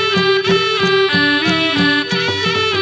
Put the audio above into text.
โปรดติดตามต่อไป